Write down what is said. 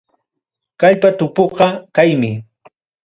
Kallpa tupuqa kaymi.